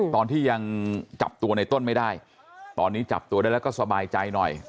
ตอนที่ยังจับตัวในต้นไม่ได้ตอนนี้จับตัวได้แล้วก็สบายใจหน่อย